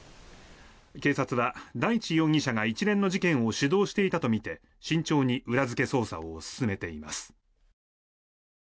警察は、大地容疑者が一連の事件を主導していたとみて慎重に裏付け捜査を進めています。